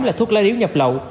là thuốc lá điếu nhập lậu